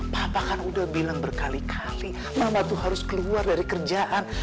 papa kan udah bilang berkali kali mama tuh harus keluar dari kerjaan